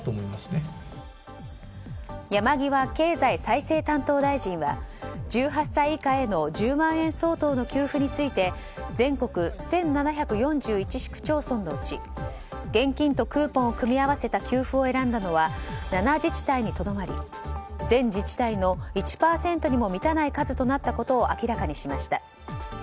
山際経済再生担当大臣は１８歳以下への１０万円相当の給付について全国１７４１市区町村のうち現金とクーポンを組み合わせた給付を選んだのは７自治体にとどまり全自治体の１％にも満たない数となったことを明らかにしました。